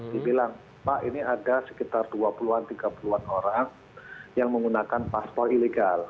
dibilang pak ini ada sekitar dua puluh an tiga puluh an orang yang menggunakan paspor ilegal